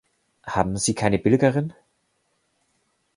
Haben Sie keine billigeren?